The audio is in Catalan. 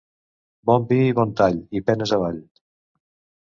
Bon vi i bon tall i penes avall.